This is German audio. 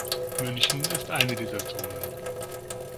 München ist eine dieser Zonen.